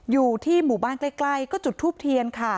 อยู่ที่หมู่บ้านใกล้ก็จุดทูปเทียนค่ะ